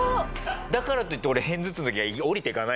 だからといって俺片頭痛の時は下りていかない。